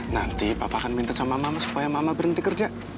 nanti papa akan minta sama mama supaya mama berhenti kerja